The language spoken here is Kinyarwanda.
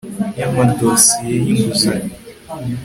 y amadosiye y inguzanyo